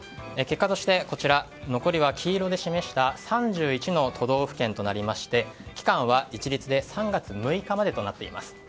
結果として、残りは黄色で示した３１の都道府県となりまして期間は一律で３月６日までとなっています。